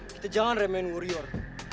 kita jangan remein warrior